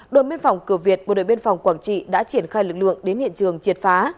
đội biên phòng cửa việt bộ đội biên phòng quảng trị đã triển khai lực lượng đến hiện trường triệt phá